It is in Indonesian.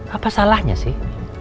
apa salahnya sih